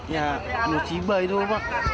ya musibah itu pak